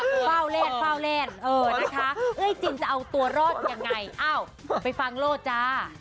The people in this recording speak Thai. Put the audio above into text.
เฝ้าแรนเอ๊ะนะคะคุณจิ๋นจะเอาตัวรอดแบบไหนไปฟังโล่จะ